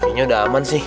fino udah aman sih